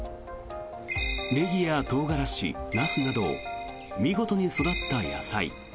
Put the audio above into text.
ネギやトウガラシ、ナスなど見事に育った野菜。